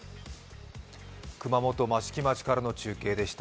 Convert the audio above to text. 熊本益城町からの中継でした。